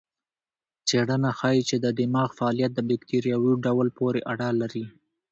څېړنه ښيي چې د دماغ فعالیت د بکتریاوو ډول پورې اړه لري.